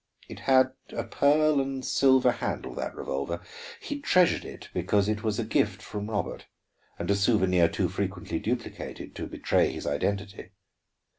It had a pearl and silver handle, that revolver. He had treasured it because it was a gift from Robert, and a souvenir too frequently duplicated to betray his identity.